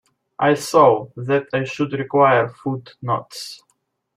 I saw that I should require footnotes.